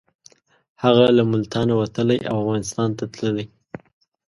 هغه له ملتانه وتلی او افغانستان ته تللی.